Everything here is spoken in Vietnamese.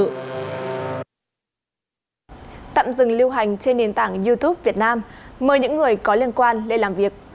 tạm dừng lưu hành trên nền tảng youtube việt nam mời những người có liên quan lên làm việc